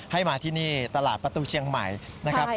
ให้มาที่นี่ตลาดประตูเชียงใหม่นะครับ